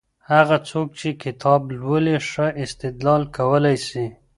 هغه څوک چي کتاب لولي، ښه استدلال کولای سي.